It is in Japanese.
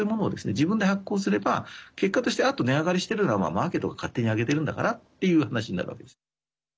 自分で発行すれば、結果としてあと値上がりしているのはマーケットが勝手に上げてるんだからっていう話になるわけです。